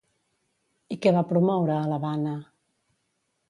I què va promoure a l'Havana?